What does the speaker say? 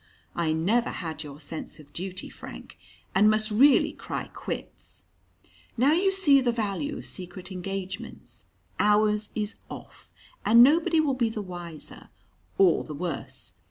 I never had your sense of duty, Frank, and must really cry 'quits.' Now you see the value of secret engagements ours is off, and nobody will be the wiser or the worse.